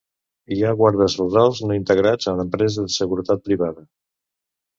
Hi ha guardes rurals no integrats en empreses de seguretat privada.